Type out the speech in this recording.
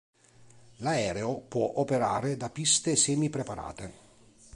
L'aereo può operare da piste semi preparate.